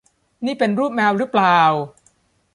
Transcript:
นี่เป็นรูปแมวรึเปล่า